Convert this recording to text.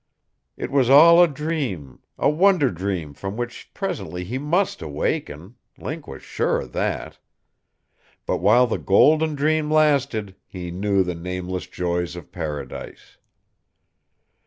It was all a dream a wonder dream from which presently he must awaken. Link was certain of that. But while the golden dream lasted, he knew the nameless joys of paradise.